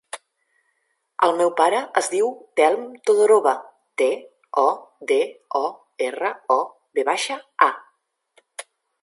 El meu pare es diu Telm Todorova: te, o, de, o, erra, o, ve baixa, a.